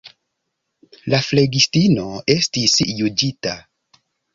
La flegistino estis juĝita.